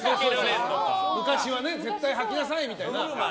昔は絶対はきなさいみたいな。